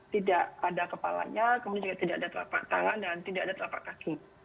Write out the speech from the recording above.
tidak ada kepalanya kemudian juga tidak ada telapak tangan dan tidak ada telapak kaki